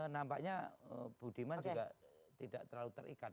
nampaknya budiman juga tidak terlalu terikat